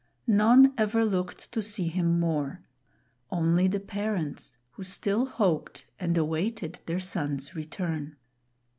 None ever looked to see him more; only the parents, who still hoped and awaited their son's return.